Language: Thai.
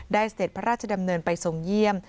เสด็จพระราชดำเนินไปทรงเยี่ยม